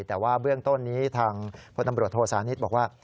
แต่ว่าเบื้องต้นนี้ทางพจบุรุษโทสานิษฐ์บอกว่า